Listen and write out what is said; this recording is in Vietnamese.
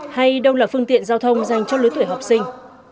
hay đâu là phương tiện giao thông dành cho lưới tuổi học sinh